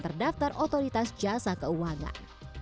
terdaftar otoritas jasa keuangan